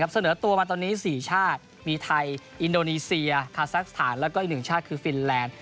เสนอตัวมาตอนนี้๔ชาติมีไทยอินโดนีเซียคาซักสถานแล้วก็อีก๑ชาติคือฟินแลนด์